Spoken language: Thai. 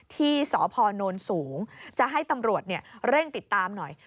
ที่สพนสูงจะให้ตำรวจเร่งติดตามหน่อย